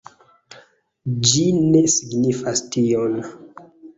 Ĝi ne signifas tion.